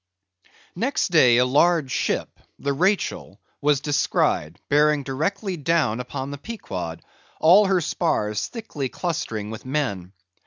Next day, a large ship, the Rachel, was descried, bearing directly down upon the Pequod, all her spars thickly clustering with men.